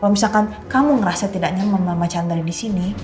kalau misalkan kamu ngerasa tidak nyaman nama chandra di sini